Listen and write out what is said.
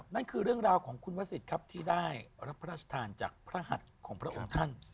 นั่นคือเรื่องราวของคุณวสิทธิ์ครับที่ได้รับพระราชทานจากพระหัสของพระองค์ท่าน